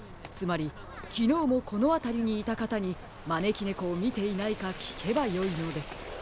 つまりきのうもこのあたりにいたかたにまねきねこをみていないかきけばよいのです。